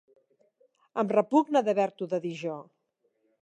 Em repugna d'haver-t'ho de dir jo.